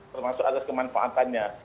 termasuk azab kemanfaatannya